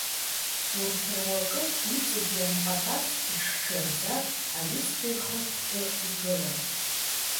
Урҭ руакы иҵегь ианҟатаз, ишшәырӡа аҩызцәа ирхыҳәҳәо игылан.